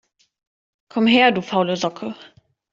Komm her, du faule Socke